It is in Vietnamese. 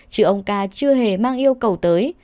chứ ông ca chưa hề mang yêu cầu tới